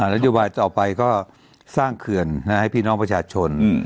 นโยบายต่อไปก็สร้างเขื่อนให้พี่น้องประชาชน